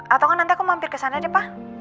atau nanti aku mampir kesana deh pak